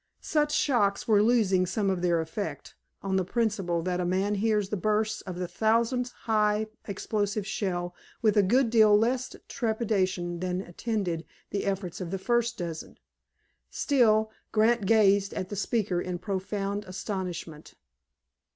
Such shocks were losing some of their effect, on the principle that a man hears the burst of the thousandth high explosive shell with a good deal less trepidation than attended the efforts of the first dozen. Still, Grant gazed at the speaker in profound astonishment.